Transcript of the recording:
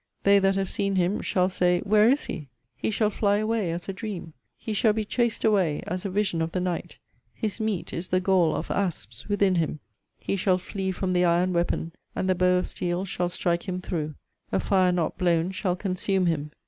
They that have seen him shall say, Where is he? He shall fly away as a dream: He shall be chased away as a vision of the night. His meat is the gall of asps within him. He shall flee from the iron weapon, and the bow of steel shall strike him through. A fire not blown shall consume him.